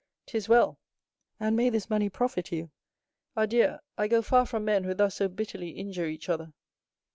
"'Tis well, and may this money profit you! Adieu; I go far from men who thus so bitterly injure each other."